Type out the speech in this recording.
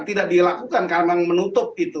tidak dilakukan karena memang menutup itu